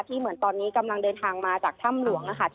เหมือนตอนนี้กำลังเดินทางมาจากถ้ำหลวงนะคะ